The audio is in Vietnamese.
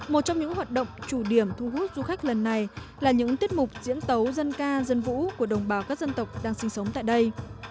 một trong những hoạt động chủ điểm thu hút du khách lần này là những tiết mục diễn tấu dân ca dân vũ của đồng bào các dân tộc đang sinh sống tại đây